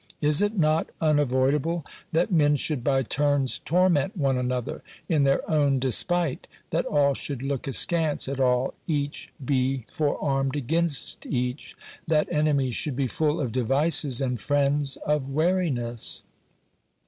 Is it not unavoidable that men should by turns torment one another, in their own despite, that all should look askance at all, each be fore armed against each, that enemies should be full of devices, and friends of wariness